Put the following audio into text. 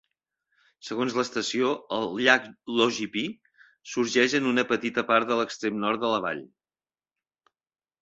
Segons l'estació, el llac Logipi sorgeix en una petita part de l'extrem nord de la vall.